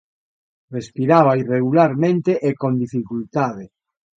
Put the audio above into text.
Respiraba irregularmente e con dificultade.